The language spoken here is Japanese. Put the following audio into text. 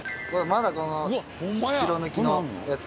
まだこの白抜きのやつ。